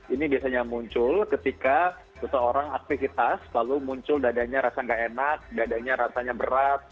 ini biasanya muncul ketika seseorang aktivitas lalu muncul dadanya rasa gak enak dadanya rasanya berat